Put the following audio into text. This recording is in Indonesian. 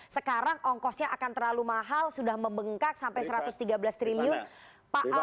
sekarang ongkosnya akan terlalu mahal sudah membengkak sampai satu ratus tiga belas triliun